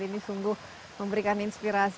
ini sungguh memberikan inspirasi